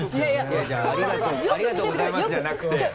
いや違う「ありがとうございます」じゃなくて。